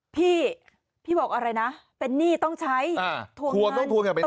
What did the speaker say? พี่พี่บอกอะไรนะเป็นหนี้ต้องใช้อ่าทวงเงินต้องทวงเงินต้อง